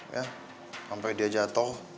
ya sampai dia jatuh